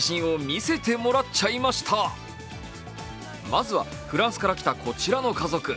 まずはフランスから来たこちらの家族。